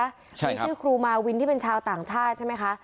มีชื่อครูมาวินที่เป็นชาวต่างชาติใช่ไหมคะ